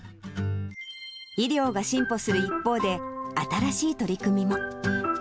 医療が進歩する一方で、新しい取り組みも。